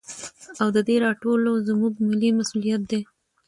او د دې راټولو زموږ ملي مسوليت دى.